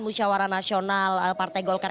musyawara nasional partai golkar